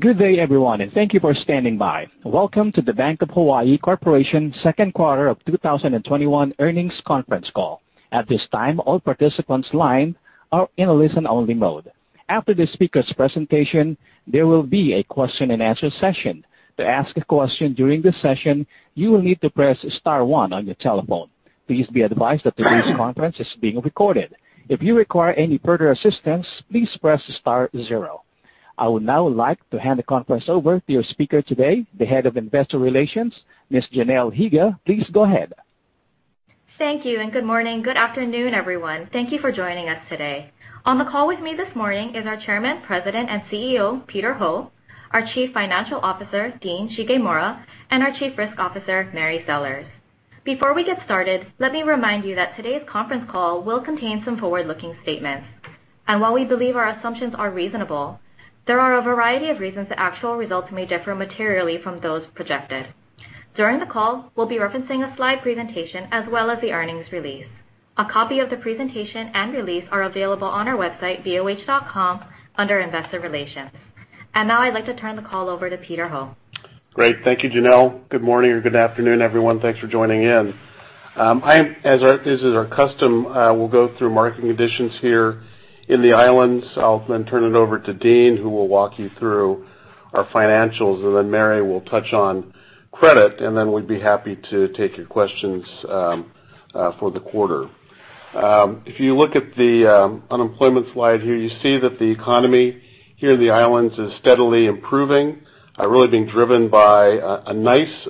Good day, everyone, and thank you for standing by. Welcome to the Bank of Hawaiʻi Corporation second quarter of 2021 earnings conference call. At this time, all participants line are in a listen-only mode. After the speaker's presentation, there will be a question-and-answer session. To ask a question during the session, you will need to press star one on your telephone. Please be advised that today's conference is being recorded. If you require any further assistance, please press star zero. I would now like to hand the conference over to your speaker today, the Head of Investor Relations, Ms. Janelle Higa. Please go ahead. Thank you, good morning, good afternoon, everyone. Thank you for joining us today. On the call with me this morning is our Chairman, President, and CEO, Peter Ho, our Chief Financial Officer, Dean Shigemura, and our Chief Risk Officer, Mary Sellers. Before we get started, let me remind you that today's conference call will contain some forward-looking statements. While we believe our assumptions are reasonable, there are a variety of reasons that actual results may differ materially from those projected. During the call, we'll be referencing a slide presentation as well as the earnings release. A copy of the presentation and release are available on our website, boh.com, under investor relations. Now I'd like to turn the call over to Peter Ho. Great. Thank you, Janelle. Good morning or good afternoon, everyone. Thanks for joining in. As is our custom, we'll go through market conditions here in the islands. I'll then turn it over to Dean, who will walk you through our financials, and then Mary will touch on credit, and then we'd be happy to take your questions for the quarter. If you look at the unemployment slide here, you see that the economy here in the islands is steadily improving, really being driven by a nice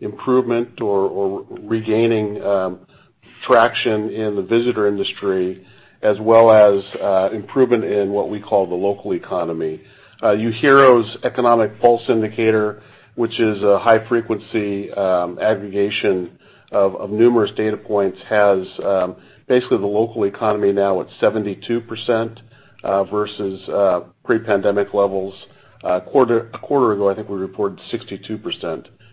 improvement or regaining traction in the visitor industry, as well as improvement in what we call the local economy. UHERO's Economic Pulse Indicator, which is a high-frequency aggregation of numerous data points, has basically the local economy now at 72% versus pre-pandemic levels. A quarter ago, I think we reported 62%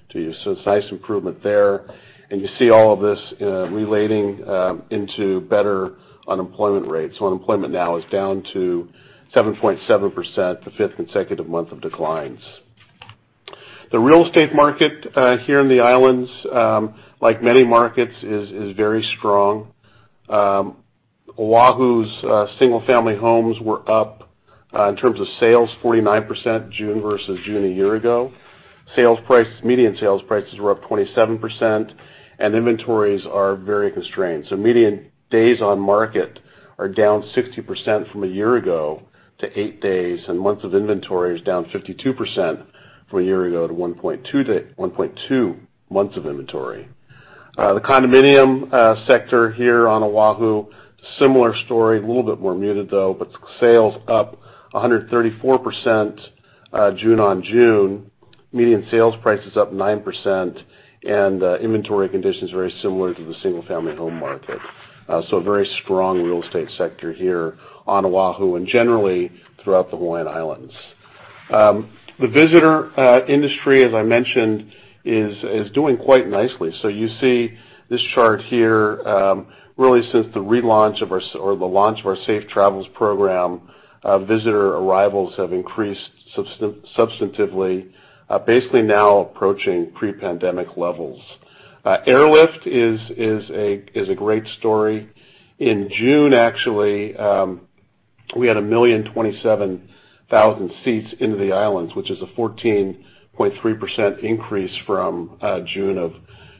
to you. So it's nice improvement there. You see all of this relating into better unemployment rates. Unemployment now is down to 7.7%, the fifth consecutive month of declines. The real estate market here in the islands, like many markets, is very strong. Oʻahu's Single Family homes were up in terms of sales, 49% June versus June a year ago. Median sales prices were up 27%, and inventories are very constrained. Median days on market are down 60% from a year ago to eight days, and months of inventory is down 52% from a year ago to 1.2 months of inventory. The condominium sector here on Oʻahu, similar story, a little bit more muted though, but sales up 134% June on June. Median sales prices up 9%, and inventory conditions very similar to the single family home market. A very strong real estate sector here on Oʻahu, and generally throughout the Hawaiian Islands. The visitor industry, as I mentioned, is doing quite nicely. You see this chart here, really, since the launch of our Safe Travels program, visitor arrivals have increased substantially, basically now approaching pre-pandemic levels. Airlift is a great story. In June, actually, we had 1,027,000 seats into the islands, which is a 14.3% increase from June of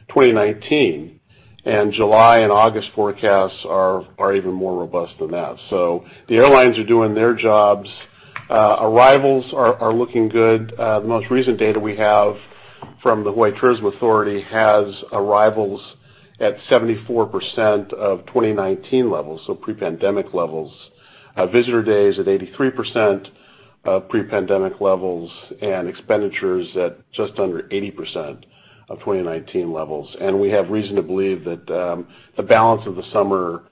2019, and July and August forecasts are even more robust than that. The airlines are doing their jobs. Arrivals are looking good. The most recent data we have from the Hawaiʻi Tourism Authority has arrivals at 74% of 2019 levels, so pre-pandemic levels. Visitor days at 83% of pre-pandemic levels, and expenditures at just under 80% of 2019 levels. We have reason to believe that the balance of the summer,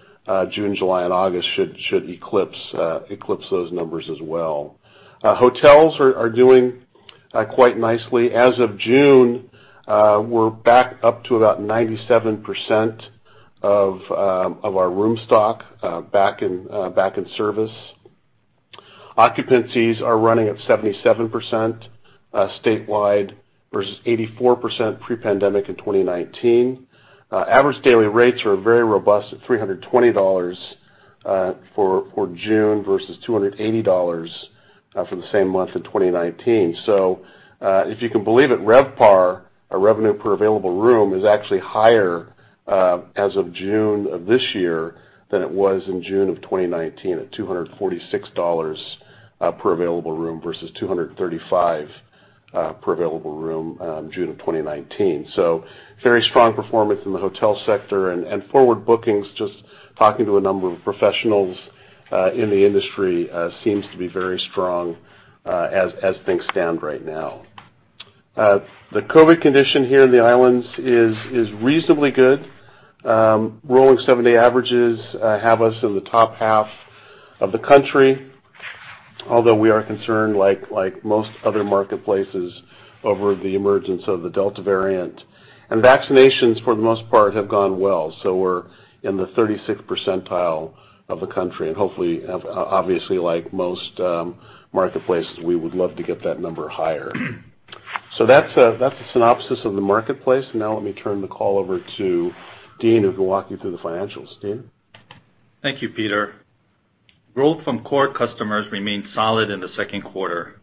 June, July, and August, should eclipse those numbers as well. Hotels are doing quite nicely. As of June, we're back up to about 97% of our room stock back in service. Occupancies are running at 77% statewide versus 84% pre-pandemic in 2019. Average daily rates are very robust at $320 for June versus $280 for the same month in 2019. If you can believe it, RevPAR, our revenue per available room, is actually higher as of June of this year than it was in June of 2019 at $246 per available room versus $235 per available room June of 2019. Very strong performance in the hotel sector. Forward bookings, just talking to a number of professionals in the industry, seems to be very strong as things stand right now. The COVID condition here in the islands is reasonably good. Rolling seven-day averages have us in the top half of the country, although we are concerned, like most other marketplaces, over the emergence of the Delta variant. Vaccinations, for the most part, have gone well. We're in the 36th percentile of the country, and hopefully, obviously, like most marketplaces, we would love to get that number higher. That's the synopsis of the marketplace. Now let me turn the call over to Dean, who will walk you through the financials. Dean? Thank you, Peter. Growth from core customers remained solid in the second quarter.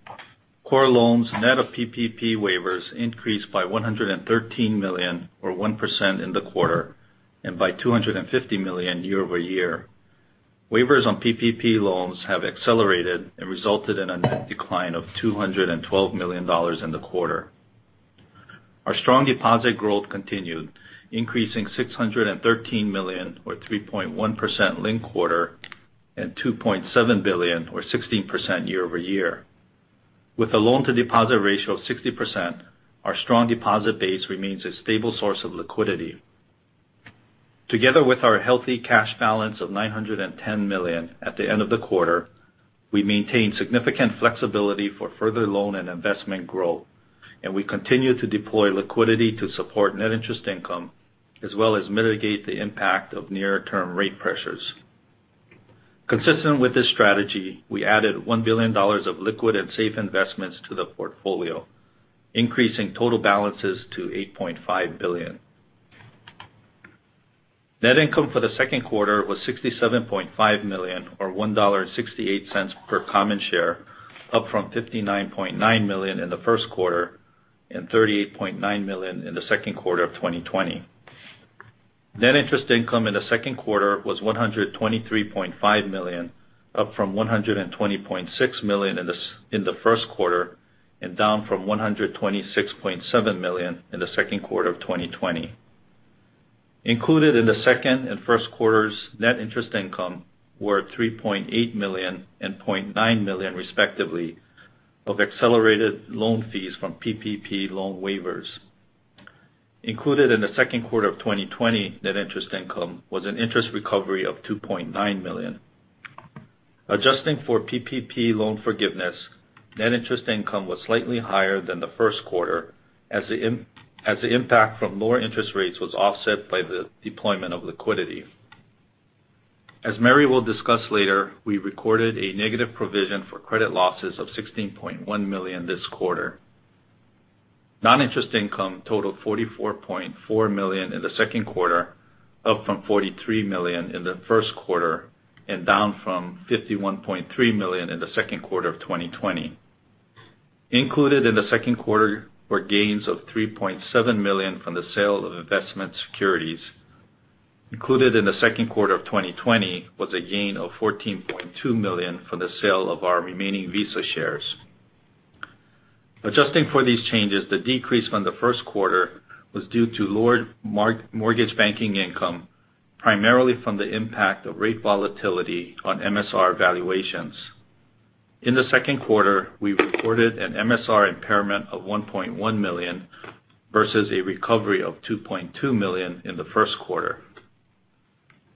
Core loans net of PPP forgiveness increased by $113 million or 1% in the quarter, and by $250 million year-over-year. Waivers on PPP loans have accelerated and resulted in a net decline of $212 million in the quarter. Our strong deposit growth continued, increasing $613 million or 3.1% linked quarter, and $2.7 billion or 16% year-over-year. With a loan-to-deposit ratio of 60%, our strong deposit base remains a stable source of liquidity. Together with our healthy cash balance of $910 million at the end of the quarter, we maintain significant flexibility for further loan and investment growth, and we continue to deploy liquidity to support net interest income, as well as mitigate the impact of near-term rate pressures. Consistent with this strategy, we added $1 billion of liquid and safe investments to the portfolio, increasing total balances to $8.5 billion. Net income for the second quarter was $67.5 million, or $1.68 per common share, up from $59.9 million in the first quarter and $38.9 million in the second quarter of 2020. Net interest income in the second quarter was $123.5 million, up from $120.6 million in the first quarter, down from $126.7 million in the second quarter of 2020. Included in the second and first quarters' net interest income were $3.8 million and $0.9 million, respectively of accelerated loan fees from PPP loan forgiveness. Included in the second quarter of 2020, net interest income was an interest recovery of $2.9 million. Adjusting for PPP loan forgiveness, net interest income was slightly higher than the first quarter as the impact from lower interest rates was offset by the deployment of liquidity. As Mary will discuss later, we recorded a negative provision for credit losses of $16.1 million this quarter. Non-interest income totaled $44.4 million in the second quarter, up from $43 million in the first quarter, and down from $51.3 million in the second quarter of 2020. Included in the second quarter were gains of $3.7 million from the sale of investment securities. Included in the second quarter of 2020 was a gain of $14.2 million from the sale of our remaining Visa shares. Adjusting for these changes, the decrease from the first quarter was due to lower mortgage banking income, primarily from the impact of rate volatility on MSR valuations. In the second quarter, we reported an MSR impairment of $1.1 million versus a recovery of $2.2 million in the first quarter.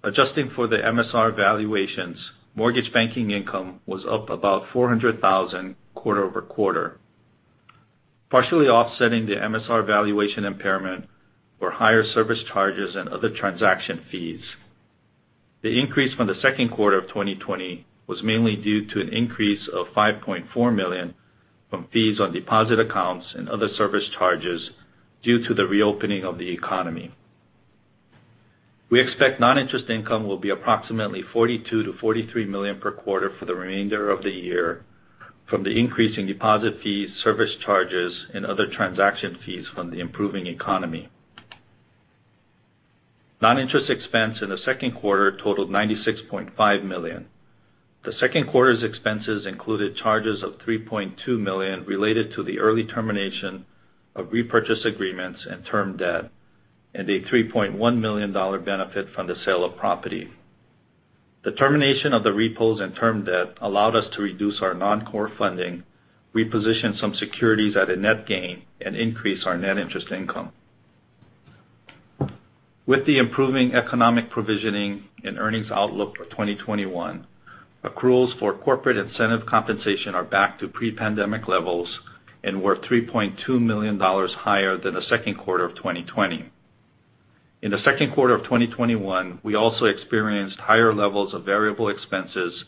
Adjusting for the MSR valuations, mortgage banking income was up about $400,000 quarter-over-quarter. Partially offsetting the MSR valuation impairment were higher service charges and other transaction fees. The increase from the second quarter of 2020 was mainly due to an increase of $5.4 million from fees on deposit accounts and other service charges due to the reopening of the economy. We expect non-interest income will be approximately $42 million-$43 million per quarter for the remainder of the year from the increase in deposit fees, service charges, and other transaction fees from the improving economy. Non-interest expense in the second quarter totaled $96.5 million. The second quarter's expenses included charges of $3.2 million related to the early termination of repurchase agreements and term debt, and a $3.1 million benefit from the sale of property. The termination of the repos and term debt allowed us to reduce our non-core funding, reposition some securities at a net gain, and increase our net interest income. With the improving economic provisioning and earnings outlook for 2021, accruals for corporate incentive compensation are back to pre-pandemic levels and were $3.2 million higher than the second quarter of 2020. In the second quarter of 2021, we also experienced higher levels of variable expenses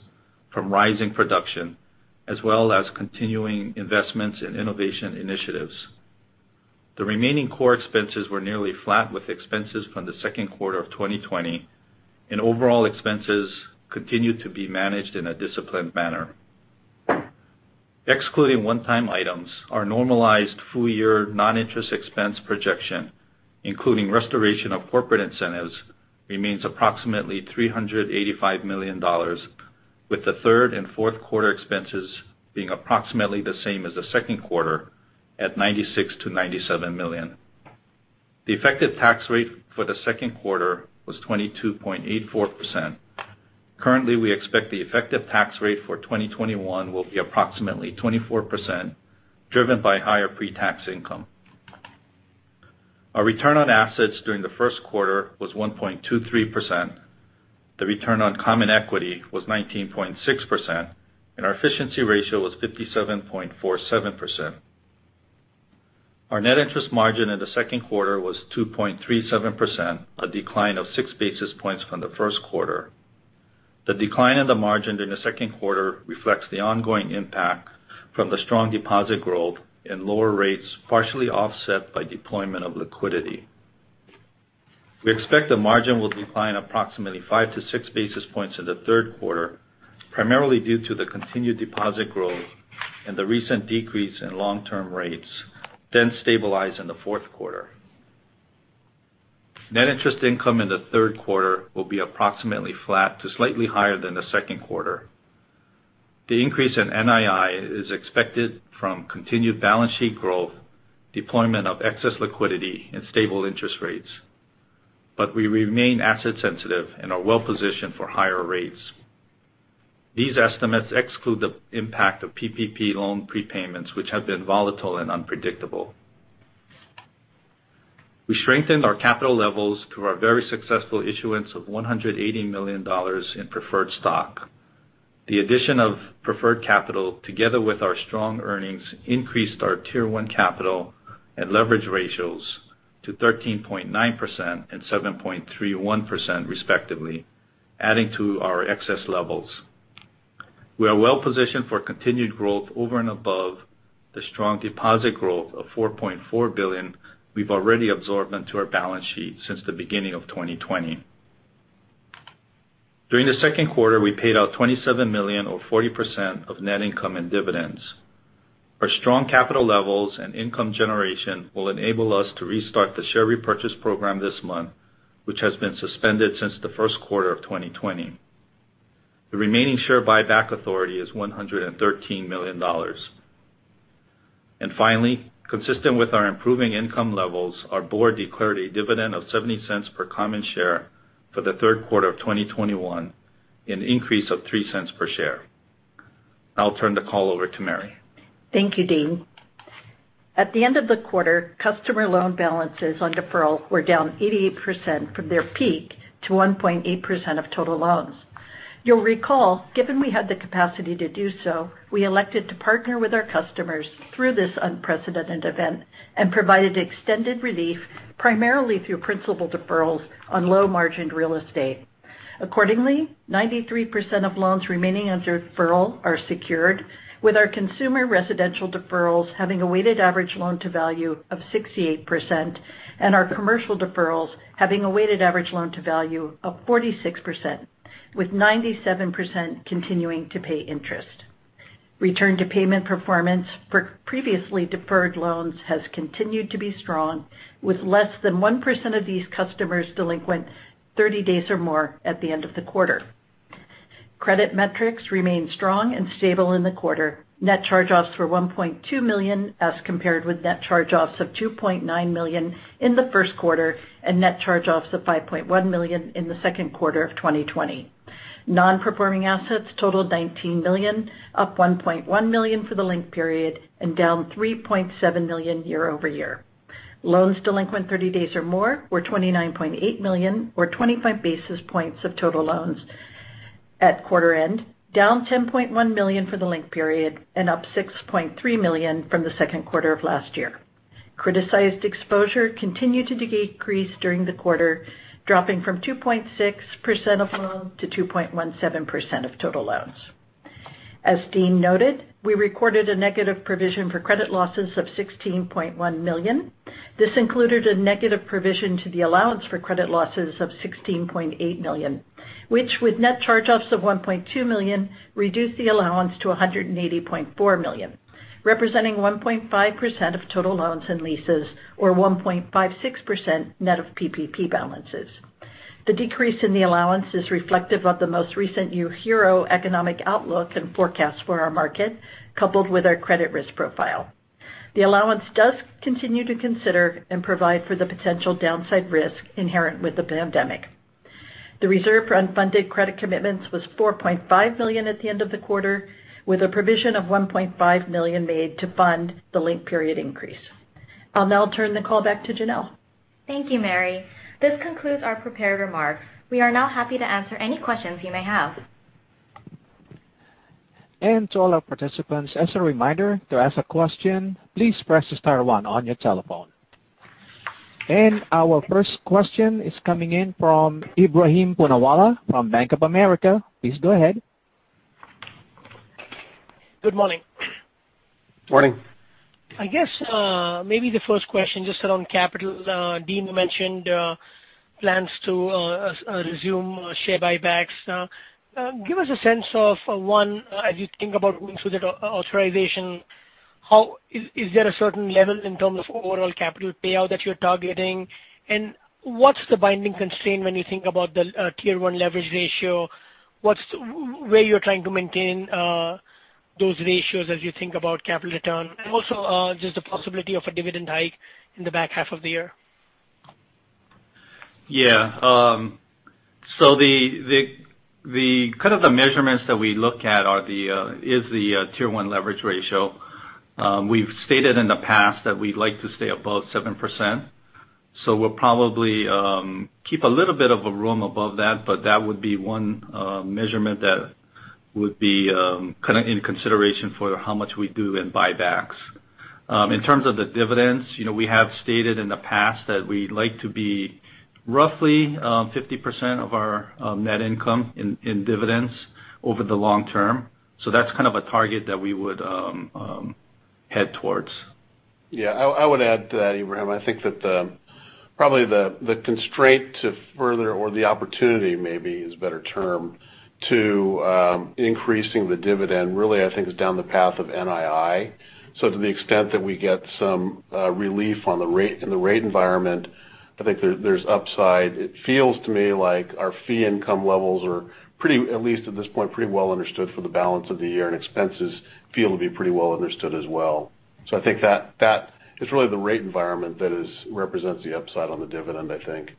from rising production as well as continuing investments in innovation initiatives. The remaining core expenses were nearly flat with expenses from the second quarter of 2020, and overall expenses continue to be managed in a disciplined manner. Excluding one-time items, our normalized full-year non-interest expense projection, including restoration of corporate incentives, remains approximately $385 million, with the third and fourth quarter expenses being approximately the same as the second quarter at $96 million-$97 million. The effective tax rate for the second quarter was 22.84%. Currently, we expect the effective tax rate for 2021 will be approximately 24%, driven by higher pre-tax income. Our return on assets during the first quarter was 1.23%. The return on common equity was 19.6%, and our efficiency ratio was 57.47%. Our net interest margin in the second quarter was 2.37%, a decline of 6 basis points from the first quarter. The decline in the margin in the second quarter reflects the ongoing impact from the strong deposit growth and lower rates, partially offset by deployment of liquidity. We expect the margin will decline approximately 5-6 basis points in the third quarter, primarily due to the continued deposit growth and the recent decrease in long-term rates, then stabilize in the fourth quarter. Net interest income in the third quarter will be approximately flat to slightly higher than the second quarter. The increase in NII is expected from continued balance sheet growth, deployment of excess liquidity, and stable interest rates. We remain asset sensitive and are well-positioned for higher rates. These estimates exclude the impact of PPP loan prepayments, which have been volatile and unpredictable. We strengthened our capital levels through our very successful issuance of $180 million in preferred stock. The addition of preferred capital, together with our strong earnings, increased our Tier 1 capital and leverage ratios to 13.9% and 7.31%, respectively, adding to our excess levels. We are well-positioned for continued growth over and above the strong deposit growth of $4.4 billion we've already absorbed into our balance sheet since the beginning of 2020. During the second quarter, we paid out $27 million, or 40% of net income in dividends. Our strong capital levels and income generation will enable us to restart the share repurchase program this month, which has been suspended since the first quarter of 2020. The remaining share buyback authority is $113 million. Finally, consistent with our improving income levels, our board declared a dividend of $0.70 per common share for the third quarter of 2021, an increase of $0.03 per share. I'll turn the call over to Mary. Thank you, Dean. At the end of the quarter, customer loan balances on deferral were down 88% from their peak to 1.8% of total loans. You'll recall, given we had the capacity to do so, we elected to partner with our customers through this unprecedented event and provided extended relief, primarily through principal deferrals on low-margined real estate. Accordingly, 93% of loans remaining under deferral are secured with our consumer residential deferrals having a weighted average loan-to-value of 68%, and our commercial deferrals having a weighted average loan-to-value of 46%, with 97% continuing to pay interest. Return to payment performance for previously deferred loans has continued to be strong, with less than 1% of these customers delinquent 30 days or more at the end of the quarter. Credit metrics remained strong and stable in the quarter. Net charge-offs were $1.2 million as compared with net charge-offs of $2.9 million in the first quarter and net charge-offs of $5.1 million in the second quarter of 2020. Non-performing assets totaled $19 million, up $1.1 million for the linked period and down $3.7 million year-over-year. Loans delinquent 30 days or more were $29.8 million, or 25 basis points of total loans at quarter end, down $10.1 million for the linked period and up $6.3 million from the second quarter of last year. Criticized exposure continued to decrease during the quarter, dropping from 2.6% of loans to 2.17% of total loans. As Dean noted, we recorded a negative provision for credit losses of $16.1 million. This included a negative provision to the allowance for credit losses of $16.8 million, which, with net charge-offs of $1.2 million, reduced the allowance to $180.4 million, representing 1.5% of total loans and leases or 1.56% net of PPP balances. The decrease in the allowance is reflective of the most recent UHERO economic outlook and forecast for our market, coupled with our credit risk profile. The allowance does continue to consider and provide for the potential downside risk inherent with the pandemic. The reserve for unfunded credit commitments was $4.5 million at the end of the quarter, with a provision of $1.5 million made to fund the linked-period increase. I'll now turn the call back to Janelle. Thank you, Mary. This concludes our prepared remarks. We are now happy to answer any questions you may have. To all our participants, as a reminder, to ask a question, please press star one on your telephone. Our first question is coming in from Ebrahim Poonawala from Bank of America. Please go ahead. Good morning. Morning. I guess, maybe the first question just around capital. Dean, you mentioned plans to resume share buybacks. Give us a sense of, one, as you think about going through that authorization, is there a certain level in terms of overall capital payout that you're targeting? What's the binding constraint when you think about the Tier 1 leverage ratio? Where you're trying to maintain those ratios as you think about capital return, and also just the possibility of a dividend hike in the back half of the year? Yeah. The measurements that we look at is the Tier 1 leverage ratio. We've stated in the past that we'd like to stay above 7%. We'll probably keep a little bit of a room above that, but that would be one measurement that would be in consideration for how much we do in buybacks. In terms of the dividends, we have stated in the past that we'd like to be roughly 50% of our net income in dividends over the long term. That's kind of a target that we would head towards. Yeah. I would add to that, Ebrahim, I think that probably the constraint to further or the opportunity, maybe is a better term to increasing the dividend, really, I think, is down the path of NII. To the extent that we get some relief in the rate environment, I think there's upside. It feels to me like our fee income levels are, at least at this point, pretty well understood for the balance of the year, and expenses feel to be pretty well understood as well. I think that is really the rate environment that represents the upside on the dividend, I think.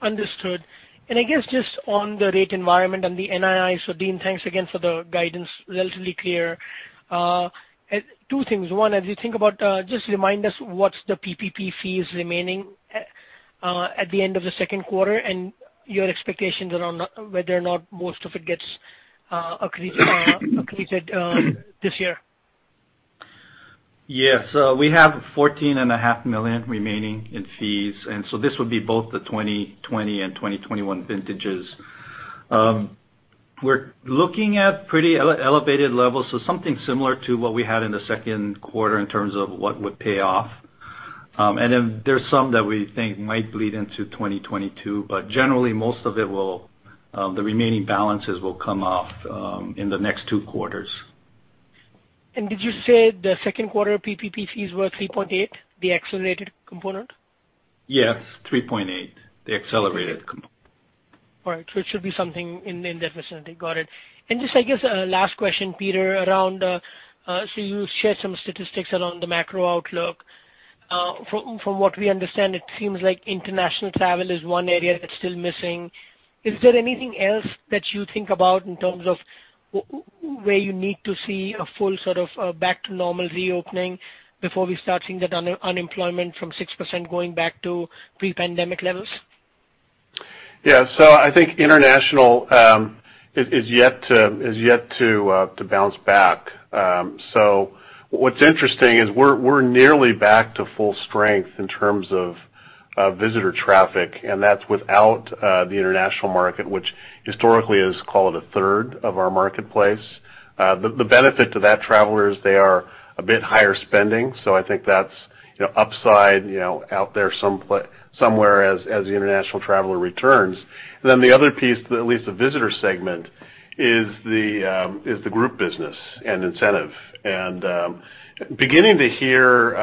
Understood. I guess just on the rate environment and the NII, Dean, thanks again for the guidance. Relatively clear. Two things. One, as you think about, just remind us what's the PPP fees remaining at the end of the second quarter and your expectations around whether or not most of it gets completed this year. We have $14.5 million remaining in fees; this would be both the 2020 and 2021 vintages. We're looking at pretty elevated levels, something similar to what we had in the second quarter in terms of what would pay off. There's some that we think might bleed into 2022, but generally, the remaining balances will come off in the next two quarters. Did you say the second quarter PPP fees were $3.8 million, the accelerated component? Yes, $3.8 million, the accelerated component. All right. It should be something in that vicinity. Got it. Just, I guess, last question, Peter, around so you shared some statistics around the macro outlook. From what we understand, it seems like international travel is one area that's still missing. Is there anything else that you think about in terms of where you need to see a full sort of back-to-normal reopening before we start seeing that unemployment from 6% going back to pre-pandemic levels? Yeah. I think international is yet to bounce back. What's interesting is we're nearly back to full strength in terms of visitor traffic, and that's without the international market, which historically is, call it, 1/3 of our marketplace. The benefit to that traveler is they are a bit higher spending, so I think that's upside out there somewhere as the international traveler returns. The other piece, at least the visitor segment, is the group business and incentive. Beginning to hear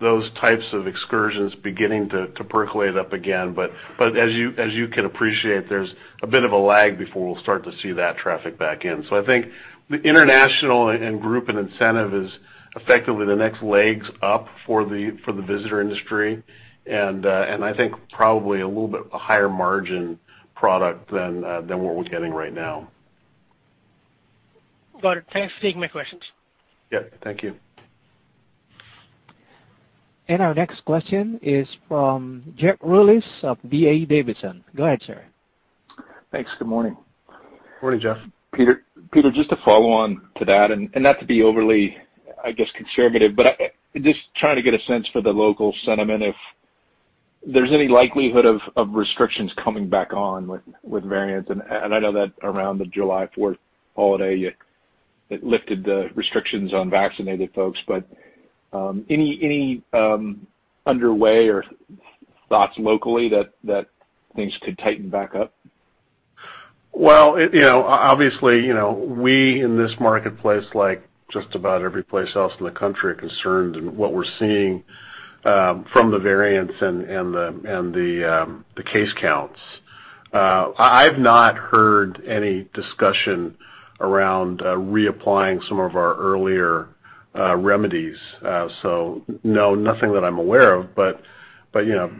those types of excursions beginning to percolate up again, but as you can appreciate, there's a bit of a lag before we'll start to see that traffic back in. I think the international and group and incentive is effectively the next leg up for the visitor industry, and I think probably a little bit of a higher margin product than what we're getting right now. Got it. Thanks for taking my questions. Yeah, thank you. Our next question is from Jeff Rulis of D.A. Davidson. Go ahead, sir. Thanks. Good morning. Morning, Jeff. Peter, just to follow on to that, and not to be overly, I guess, conservative, but just trying to get a sense for the local sentiment if there's any likelihood of restrictions coming back on with variants. I know that around the July 4th holiday, it lifted the restrictions on vaccinated folks. Any underway or thoughts locally that things could tighten back up? Well, obviously, we in this marketplace, like just about every place else in the country, are concerned in what we're seeing from the variants and the case counts. I've not heard any discussion around reapplying some of our earlier remedies. No, nothing that I'm aware of,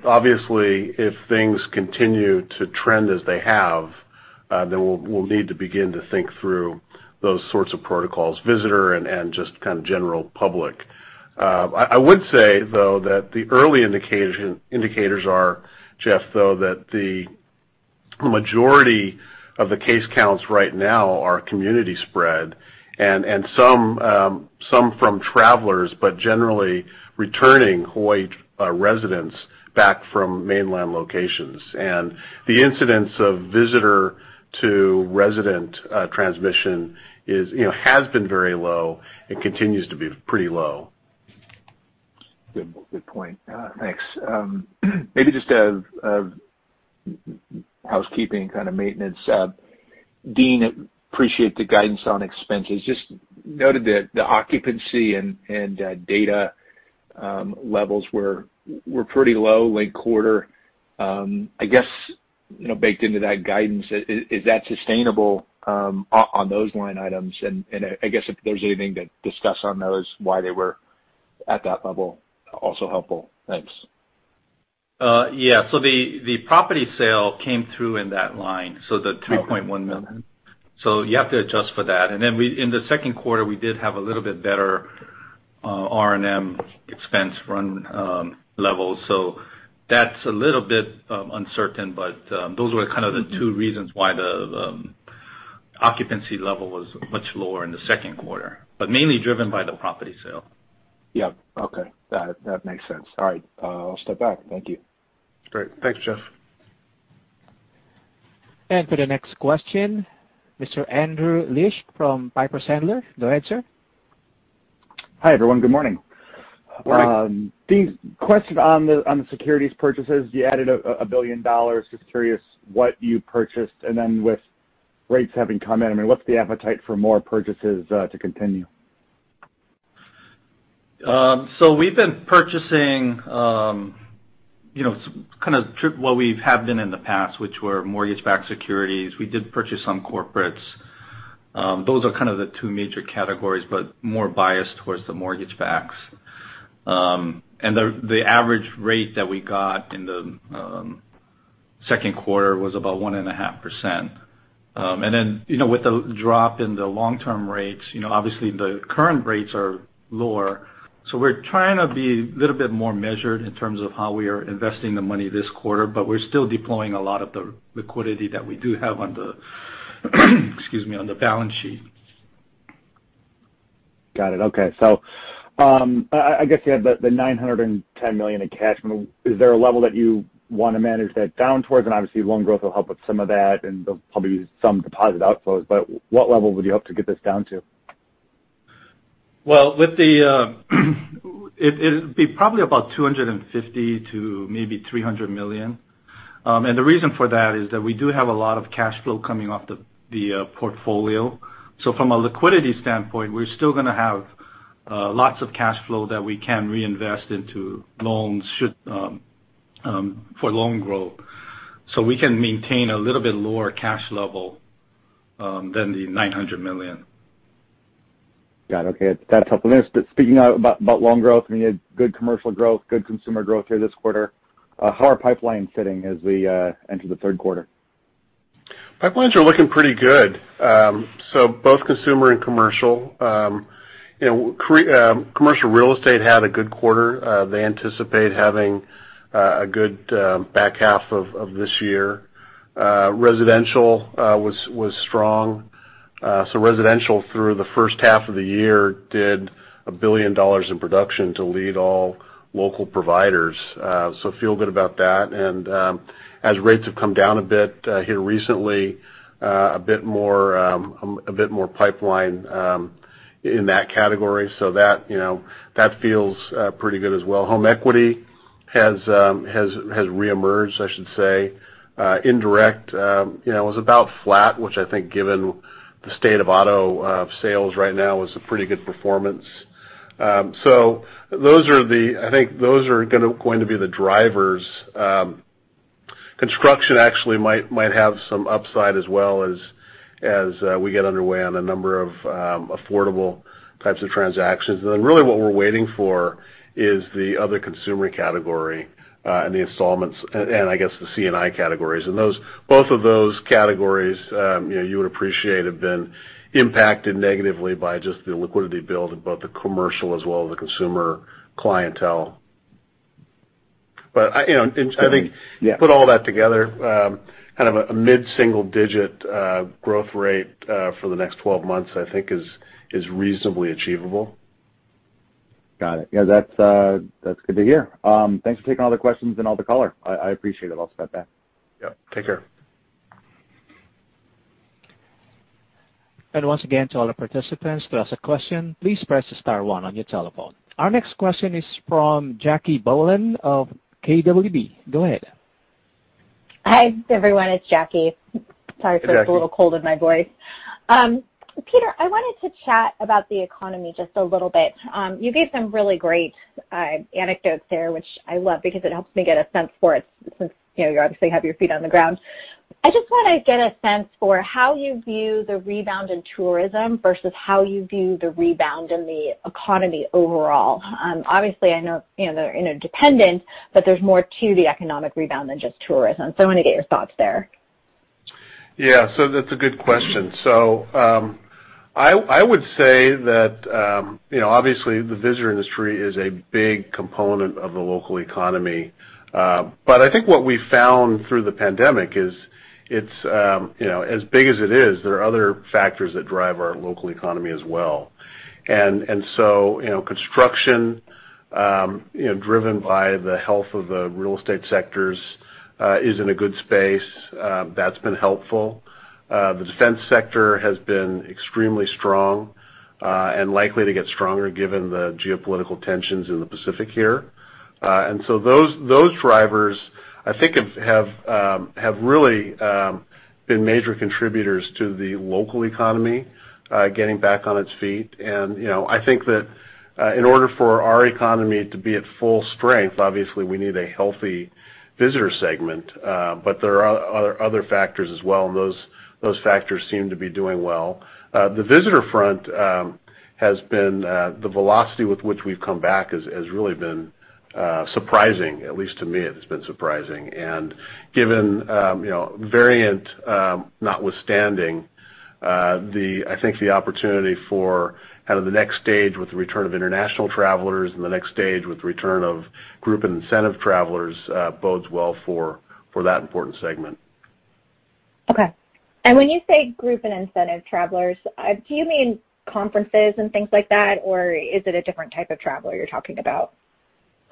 obviously, if things continue to trend as they have, then we'll need to begin to think through those sorts of protocols, visitor, and just kind of general public. I would say, though, that the early indicators are, Jeff, though, that the majority of the case counts right now are community spread, some from travelers, generally returning Hawaii residents back from mainland locations. The incidents of visitor-to-resident transmission has been very low and continues to be pretty low. Good point. Thanks. Maybe just a housekeeping kind of maintenance. Dean, appreciate the guidance on expenses. Just noted that the occupancy and rate levels were pretty low late quarter. I guess, baked into that guidance, is that sustainable on those line items? I guess if there's anything to discuss on those, why they were at that level, also helpful? Thanks. Yeah. The property sale came through in that line, the $2.1 million. You have to adjust for that. In the second quarter, we did have a little bit better R&M expense run levels. That's a little bit uncertain, but those were kind of the two reasons why the occupancy level was much lower in the second quarter, but mainly driven by the property sale. Yep. Okay. That makes sense. All right. I'll step back. Thank you. Great. Thanks, Jeff. For the next question, Mr. Andrew Liesch from Piper Sandler. Go ahead, sir. Hi, everyone. Good morning. Morning. Question on the securities purchases. You added $1 billion. Just curious what you purchased and then with rates having come in, what's the appetite for more purchases to continue? We've been purchasing kind of what we have been in the past, which were mortgage-backed securities. We did purchase some corporates. Those are kind of the two major categories, but more biased towards the mortgage-backed. The average rate that we got in the second quarter was about 1.5%. With the drop in the long-term rates, obviously, the current rates are lower. We're trying to be a little bit more measured in terms of how we are investing the money this quarter, but we're still deploying a lot of the liquidity that we do have, excuse me, on the balance sheet. Got it. Okay. I guess you had the $910 million in cash. Is there a level that you want to manage that down towards? Obviously, loan growth will help with some of that, and there'll probably be some deposit outflows. What level would you hope to get this down to? It'd be probably about $250 million to maybe $300 million. The reason for that is that we do have a lot of cash flow coming off the portfolio. From a liquidity standpoint, we're still going to have lots of cash flow that we can reinvest into loans for loan growth. We can maintain a little bit lower cash level than the $900 million. Got it. Okay. Got couple of minutes, but speaking about loan growth, and you had good commercial growth, good consumer growth here this quarter. How are pipelines sitting as we enter the third quarter? Pipelines are looking pretty good. Both consumer and commercial. Commercial real estate had a good quarter. They anticipate having a good back half of this year. Residential was strong. Residential, through the first half of the year, did $1 billion in production to lead all local providers. Feel good about that. As rates have come down a bit here recently, a bit more pipeline in that category. That feels pretty good as well. Home equity has reemerged, I should say. Indirect was about flat, which I think given the state of auto sales right now, was a pretty good performance. I think those are going to be the drivers. Construction actually might have some upside as well as we get underway on a number of affordable types of transactions. Really, what we're waiting for is the other consumer category, and the installments, and I guess the C&I categories. Both of those categories, you would appreciate, have been impacted negatively by just the liquidity build in both the commercial as well as the consumer clientele. Yeah. I think put all that together, kind of a mid-single-digit growth rate for the next 12 months, I think is reasonably achievable. Got it. Yeah, that's good to hear. Thanks for taking all the questions and all the color. I appreciate it. I'll step back. Yep. Take care. Once again, to all our participants, to ask a question, please press star one on your telephone. Our next question is from Jacque Bohlen of KBW. Go ahead. Hi, everyone. It's Jacque. Hi, Jacque. A little cold in my voice. Peter, I wanted to chat about the economy just a little bit. You gave some really great anecdotes there, which I love because it helps me get a sense for it since you obviously have your feet on the ground. I just want to get a sense for how you view the rebound in tourism versus how you view the rebound in the economy overall. I know they're interdependent, but there's more to the economic rebound than just tourism? I want to get your thoughts there. That's a good question. I would say that, obviously, the visitor industry is a big component of the local economy. I think what we found through the pandemic is it's, as big as it is, there are other factors that drive our local economy as well. Construction, driven by the health of the real estate sectors, is in a good space. That's been helpful. The defense sector has been extremely strong, and likely to get stronger given the geopolitical tensions in the Pacific here. Those drivers, I think, have really been major contributors to the local economy getting back on its feet. I think that in order for our economy to be at full strength, obviously, we need a healthy visitor segment. There are other factors as well, and those factors seem to be doing well. The visitor front has been the velocity with which we've come back has really been surprising. At least to me, it has been surprising. Given the Delta variant notwithstanding, I think the opportunity for kind of the next stage with the return of international travelers and the next stage with the return of group and incentive travelers bodes well for that important segment. Okay. When you say group and incentive travelers, do you mean conferences and things like that, or is it a different type of traveler you're talking about?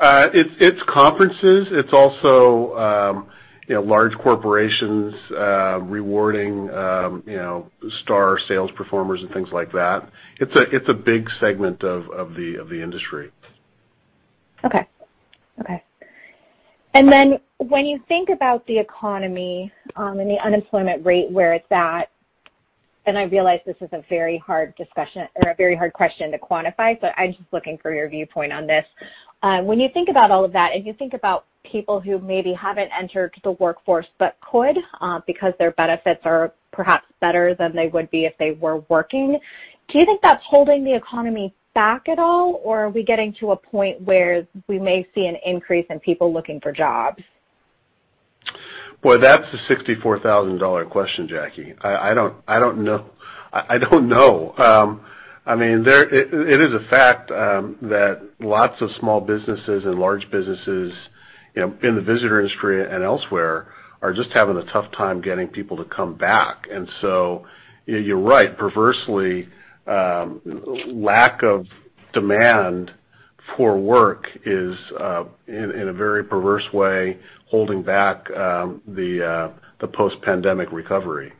It's conferences. It's also large corporations rewarding star sales performers and things like that. It's a big segment of the industry. Okay. When you think about the economy and the unemployment rate where it's at, I realize this is a very hard question to quantify, so I'm just looking for your viewpoint on this. When you think about all of that, and you think about people who maybe haven't entered the workforce but could because their benefits are perhaps better than they would be if they were working, do you think that's holding the economy back at all? Are we getting to a point where we may see an increase in people looking for jobs? Boy, that's a sixty-four-thousand-dollar question, Jacque. I don't know. It is a fact that lots of small businesses and large businesses in the visitor industry and elsewhere are just having a tough time getting people to come back. You're right. Perversely, lack of demand for work is, in a very perverse way, holding back the post-pandemic recovery.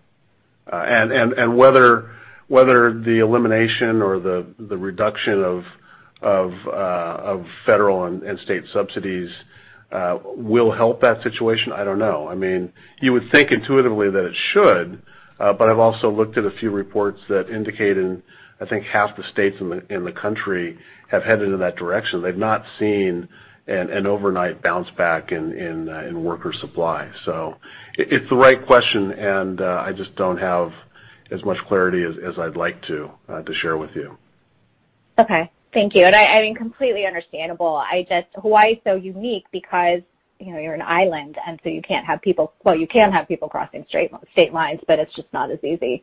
Whether the elimination or the reduction of federal and state subsidies will help that situation, I don't know. You would think intuitively that it should. I've also looked at a few reports that indicate, in I think, half the states in the country have headed in that direction. They've not seen an overnight bounce back in worker supply. It's the right question, and I just don't have as much clarity as I'd like to share with you. Okay. Thank you. Completely understandable. Hawaii is so unique because you're an island, and so you can't have people-- well, you can have people crossing state lines, but it's just not as easy.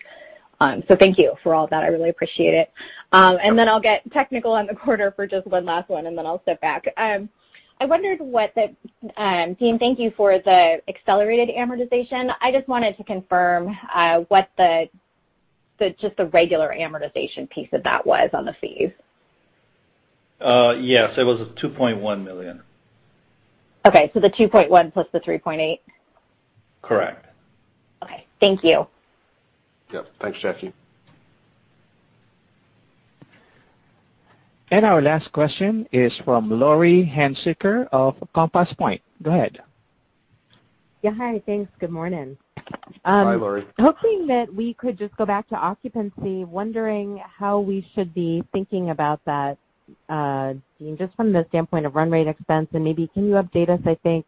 Thank you for all that. I really appreciate it. I'll get technical on the quarter for just one last one, and then I'll step back. Dean, thank you for the accelerated amortization. I just wanted to confirm what just the regular amortization piece of that was on the fees? Yes, it was $2.1 million. Okay. The $2.1 million + $3.8 million? Correct. Okay. Thank you. Yep. Thanks, Jacque. Our last question is from Laurie Hunsicker of Compass Point. Go ahead. Yeah, hi. Thanks. Good morning. Hi, Laurie. Hoping that we could just go back to occupancy, wondering how we should be thinking about that, Dean, just from the standpoint of run rate expense, and maybe can you update us? I think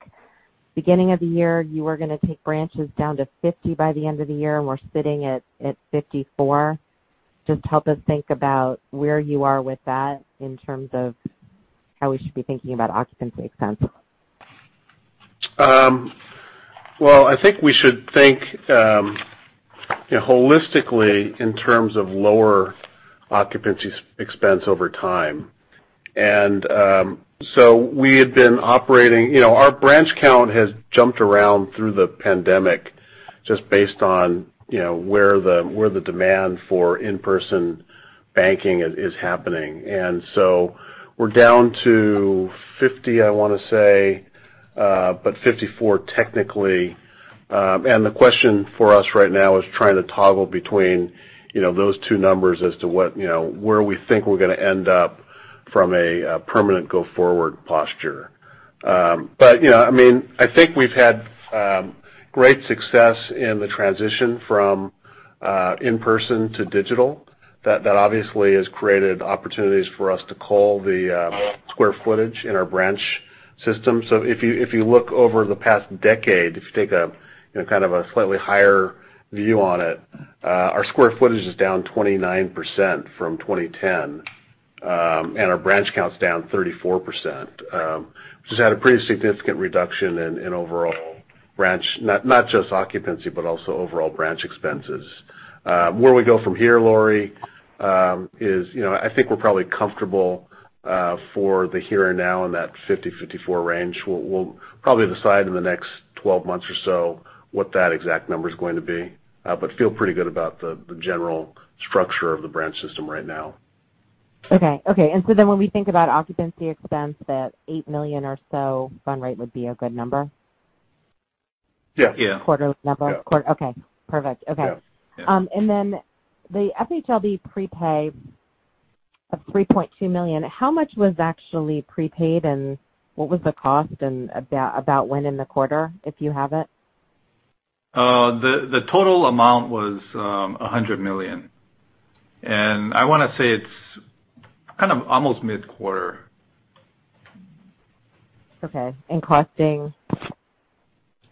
beginning of the year, you were going to take branches down to 50 by the end of the year, and we're sitting at 54. Just help us think about where you are with that in terms of how we should be thinking about occupancy expense? I think we should think holistically in terms of lower occupancy expense over time. Our branch count has jumped around through the pandemic, just based on where the demand for in-person banking is happening. We're down to 50, I want to say, but 54 technically. The question for us right now is trying to toggle between those two numbers as to where we think we're going to end up from a permanent go-forward posture. I think we've had great success in the transition from in-person to digital. That obviously has created opportunities for us to cull the square footage in our branch system. If you look over the past decade, if you take a kind of a slightly higher view on it, our square footage is down 29% from 2010, and our branch count's down 34%, which has had a pretty significant reduction in overall branch, not just occupancy, but also overall branch expenses. Where we go from here, Laurie, is I think we're probably comfortable for the here and now in that 50, 54 range. We'll probably decide in the next 12 months or so what that exact number is going to be. Feel pretty good about the general structure of the branch system right now. Okay. When we think about occupancy expense, that $8 million or so run rate would be a good number? Yeah. Yeah. Quarterly number? Yeah. Okay, perfect. Yeah. The FHLB prepay of $3.2 million, how much was actually prepaid, and what was the cost, and about when in the quarter, if you have it? The total amount was $100 million. I want to say it's kind of almost mid-quarter. Okay. Costing?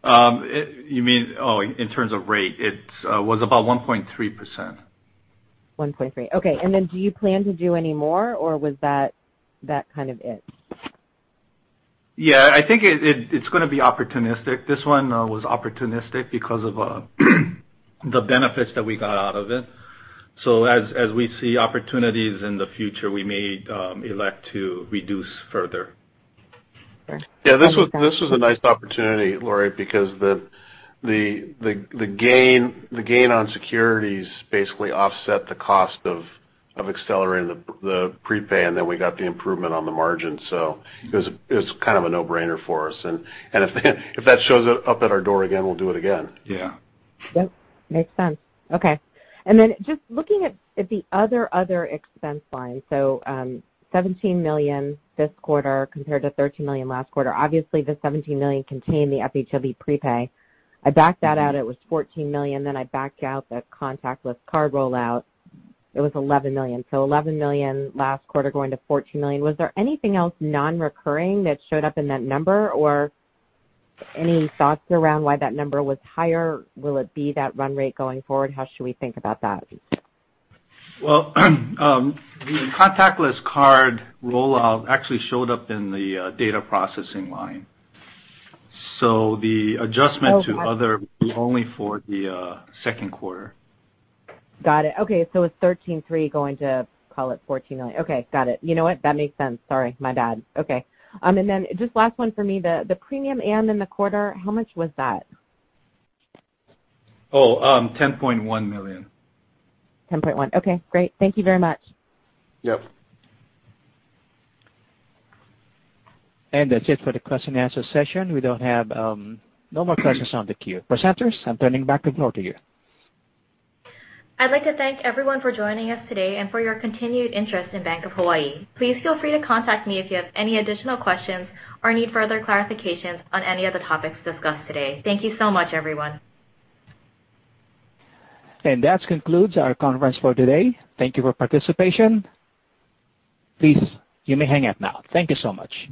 You mean, in terms of rate. It was about 1.3%. Okay. Then do you plan to do any more, or was that kind of it? Yeah. I think it's going to be opportunistic. This one was opportunistic because of the benefits that we got out of it. As we see opportunities in the future, we may elect to reduce further. Yeah, this was a nice opportunity, Laurie, because the gain on securities basically offset the cost of accelerating the prepay, and then we got the improvement on the margin. It was kind of a no-brainer for us. If that shows up at our door again, we'll do it again. Yeah. Yep, makes sense. Okay. Just looking at the other expense line, $17 million this quarter compared to $13 million last quarter. Obviously, the $17 million contained the FHLB prepay. I backed that out; it was $14 million. I backed out the contactless card rollout; it was $11 million. $11 million last quarter, going to $14 million. Was there anything else non-recurring that showed up in that number? Or any thoughts around why that number was higher? Will it be that run rate going forward? How should we think about that? Well, the contactless card rollout actually showed up in the data processing line. The adjustment to other was only for the second quarter. Got it. It's $13.3 million going to, call it, $14 million. Got it. You know what? That makes sense. Sorry. My bad. Just last one for me, the premium amortization in the quarter, how much was that? Oh, $10.1 million. Okay, great. Thank you very much. Yep. That's it for the question and answer session. We don't have no more questions on the queue. Presenters, I'm turning back the floor to you. I'd like to thank everyone for joining us today and for your continued interest in Bank of Hawaiʻi. Please feel free to contact me if you have any additional questions or need further clarifications on any of the topics discussed today. Thank you so much, everyone. That concludes our conference for today. Thank you for participation. Please, you may hang up now. Thank you so much.